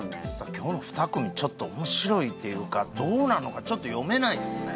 今日の２組ちょっと面白いっていうかどうなるのかちょっと読めないですね